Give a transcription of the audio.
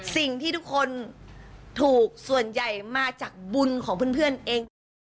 สิ่งที่ทุกคนถูกส่วนใหญ่มาจากบุญของเพื่อนเองทั้งหมด